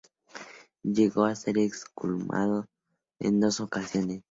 Llegó a ser excomulgado en dos ocasiones.